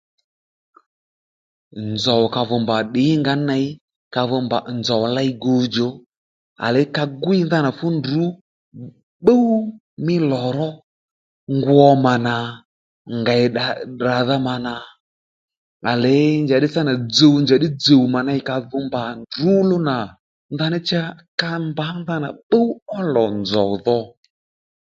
Nzòw ka dho mba ddìnga ó ney ka vi mbà nzòw ley gudjò à ley ka gwiy ndanà fúndrǔ bbúw mí lò ró ngwo mànà ngèy ddà tdràdha manà à leě njàddí sâ nà ddí djuw mà ney ka vi mba ndrǔló nà ndaní cha ka mbǎ ndanà bbúw ó lò nzòw dho